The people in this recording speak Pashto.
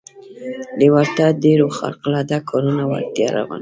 لېوالتیا د ډېرو خارق العاده کارونو وړتیا رامنځته کوي